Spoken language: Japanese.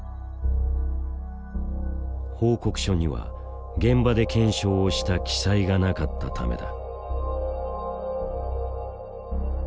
報告書には現場で検証をした記載がなかったためだ。